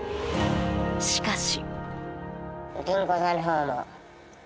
しかし。